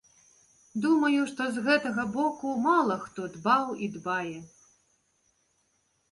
Думаю, што з гэтага боку мала хто дбаў і дбае.